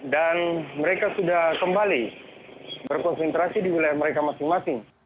dan mereka sudah kembali berkonsentrasi di wilayah mereka masing masing